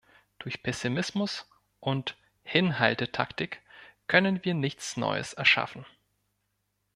Durch Pessimismus und Hinhaltetaktik können wir nichts Neues erschaffen.